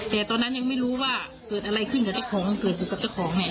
แต่ตอนนั้นยังไม่รู้ว่าเกิดอะไรขึ้นกับเจ้าของมันเกิดอยู่กับเจ้าของเนี่ย